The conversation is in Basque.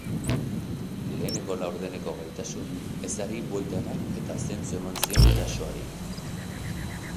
Lehenengo laurdeneko gaitasunik ezari buelta eman, eta zentzua eman zion erasoari.